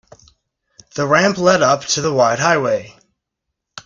The ramp led up to the wide highway.